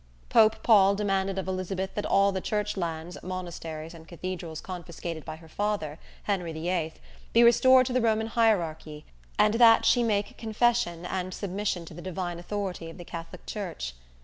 Pope Paul demanded of Elizabeth that all the church lands, monasteries and cathedrals confiscated by her father, Henry the Eighth, be restored to the Roman hierarchy, and that she make confession and submission to the divine authority of the Catholic Church.